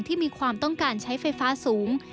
ที่มีความต้องการใช้ไฟฟ้าสูง